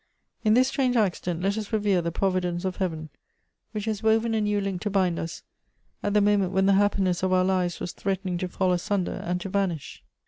In this strange accident let us revere the providence of heaven, which has woven a new link to bind us, at the moment when the happiness of our lives was threatening to fall asunder and to vanish."